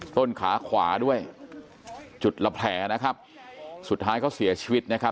ต้นขาขวาด้วยจุดละแผลนะครับสุดท้ายเขาเสียชีวิตนะครับ